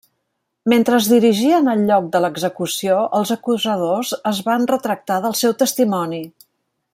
Mentre es dirigien al lloc de l'execució, els acusadors es van retractar del seu testimoni.